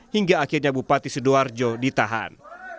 hingga akhirnya bupati sidoarjo ditahan